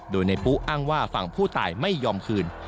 โดยในปุ๊อ้างว่าฝั่งผู้ตายไม่ยอมคืน